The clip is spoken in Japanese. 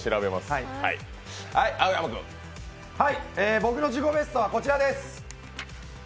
僕の自己ベストはこちらです。